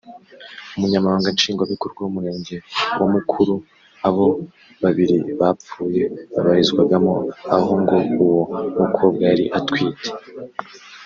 umunyamabanga nshingwabikorwa w’umurenge wa Mukuru abo babiri bapfuye babarizwagamo aho ngo uwo mukobwa yari atwite